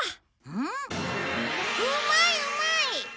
うまいうまい！